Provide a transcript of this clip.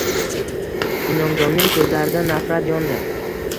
Inomjonning ko`zlarida nafrat yondi